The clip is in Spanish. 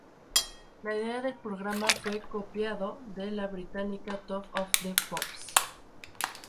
La idea del programa fue copiado de la británica Top of the Pops.